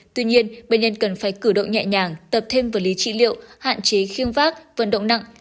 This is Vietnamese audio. tuy nhiên bệnh nhân cần phải cử độ nhẹ nhàng tập thêm vật lý trị liệu hạn chế khiêng vác vận động nặng